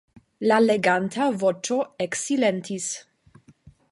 La leganta voĉo eksilentis.